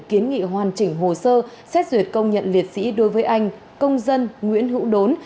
kiến nghị hoàn chỉnh hồ sơ xét duyệt công nhận liệt sĩ đối với anh công dân nguyễn hữu đốn